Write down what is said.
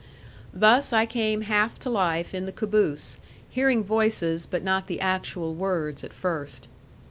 Thus I came half to life in the caboose, hearing voices, but not the actual words at first.